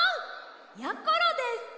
やころです！